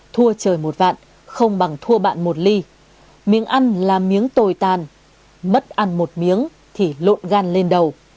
thua trời một vạn không bằng thua bạn một ly miếng ăn là miếng tồi tàn mất ăn một miếng thì lộn gan lên đầu